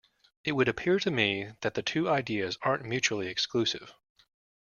It would appear to me that the two ideas aren't mutually exclusive.